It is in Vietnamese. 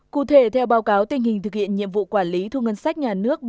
cụ thể theo báo cáo tình hình thực hiện nhiệm vụ quản lý thu ngân sách nhà nước